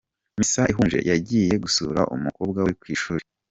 Misa ihumuje yagiye gusura umukobwa we ku ishuri.